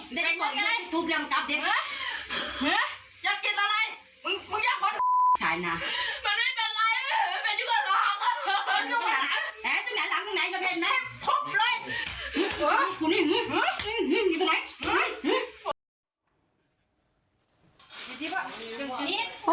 ตรงไหนหลังตรงไหนเค้าเห็นไหม